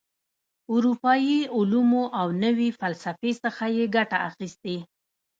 اروپايي علومو او نوي فسلفې څخه یې ګټه اخیستې.